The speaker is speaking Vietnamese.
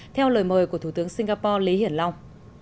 theo lời mời của thủ tướng singapore lý hiển long